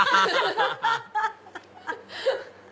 ハハハハ！